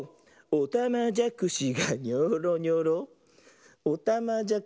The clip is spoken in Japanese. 「おたまじゃくしがニョーロニョロ」